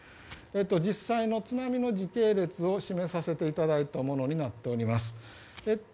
実際の津波の時系列を示させていただいたものになっております。